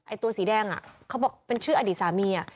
ตัวสีแดงเขาบอกเป็นชื่ออดีตสามี